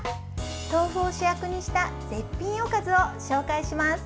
豆腐を主役にした絶品おかずを紹介します。